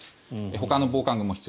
ほかの防寒具も必要